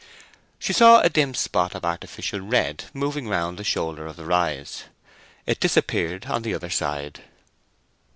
She saw a dim spot of artificial red moving round the shoulder of the rise. It disappeared on the other side.